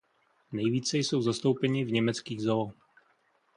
Nejvíce jsou zastoupeni v německých zoo.